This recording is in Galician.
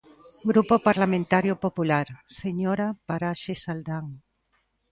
Grupo Parlamentario Popular, señora Paraxes Aldán.